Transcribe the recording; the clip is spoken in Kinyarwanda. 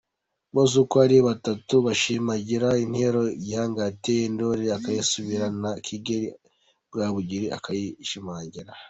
Byose uko ari bitatu, bishimangira intero Gihanga yateye, Ndoli akayisubira na Kigeli Rwabugili akayishimangira.